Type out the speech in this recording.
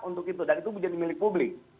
untuk itu dan itu menjadi milik publik